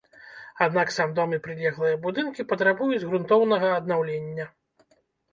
Аднак сам дом і прылеглыя будынкі патрабуюць грунтоўнага аднаўлення.